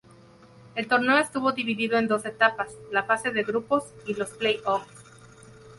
El torneo estuvo dividido en dos etapas, la fase de grupos y los play-offs.